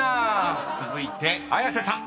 ［続いて綾瀬さん］